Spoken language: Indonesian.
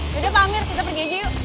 yaudah pamer kita pergi aja yuk